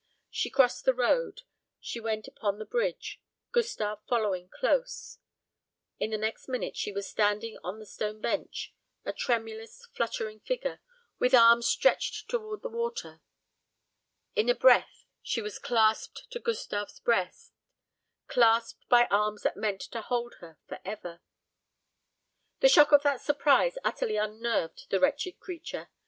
She crossed the road, and went upon the bridge, Gustave following close; in the next minute she was standing on the stone bench, a tremulous, fluttering figure, with arms stretched towards the water; in a breath she was clasped to Gustave's breast, clasped by arms that meant to hold her for ever. The shock of that surprise utterly unnerved the wretched creature.